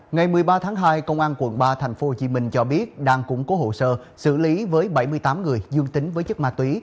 ngày một mươi ba tháng hai công an quận ba tp hcm cho biết đang củng cố hồ sơ xử lý với bảy mươi tám người dương tính với chất ma túy